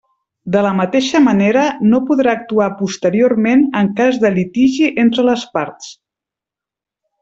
De la mateixa manera, no podrà actuar posteriorment en cas de litigi entre les parts.